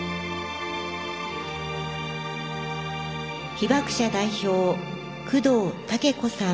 被爆者代表、工藤武子さん。